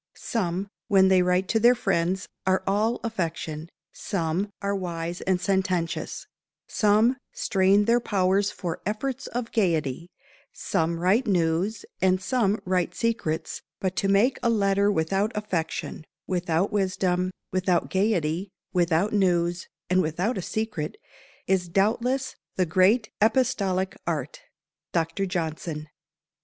"Some, when they write to their friends, are all affection; Some are wise and sententious; some strain their powers for efforts of gaiety; some write news, and some write secrets but to make a letter without affection, without wisdom, without gaiety, without news, and without a secret, is doubtless the great epistolic art. " DR. JOHNSON.